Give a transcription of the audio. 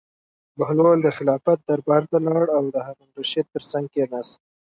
بهلول د خلافت دربار ته لاړ او د هارون الرشید تر څنګ کېناست.